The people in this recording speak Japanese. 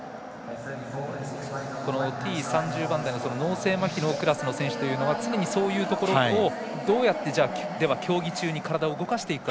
Ｔ３０番台の脳性まひのクラスの選手は常にそういうところをどのように競技中に体を動かしていくか。